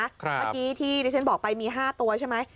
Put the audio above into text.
เมื่อกี้ที่ดิฉันบอกไปมี๕ตัวใช่ไหม